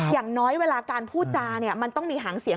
อย่างน้อยเวลาการพูดจาเนี่ยมันต้องมีหางเสียง